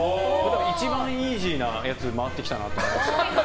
一番イージーなやつ回ってきたなと思いました。